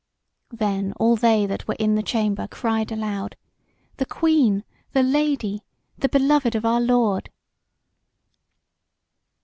Then all they that were in the chamber cried out aloud: "The Queen, the Lady! The beloved of our lord!"